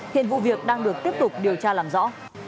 hiện vụ việc đang được tiếp tục điều tra làm rõ